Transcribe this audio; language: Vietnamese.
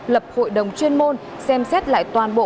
lập hội đồng chuyên môn xem xét lại toàn bộ